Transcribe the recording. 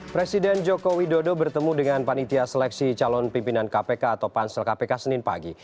presiden joko widodo bertemu dengan panitia seleksi calon pimpinan kpk atau pansel kpk senin pagi